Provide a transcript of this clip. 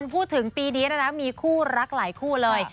พูดถึงปีนี้นะมีคู่รักหลายคู่เลย